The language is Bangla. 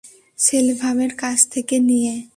সেলভামের কাছ থেকে নিয়ে।